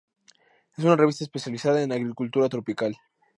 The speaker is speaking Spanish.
Es una revista especializada en agricultura tropical.